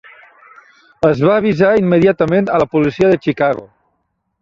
Es va avisar immediatament a la policia de Chicago.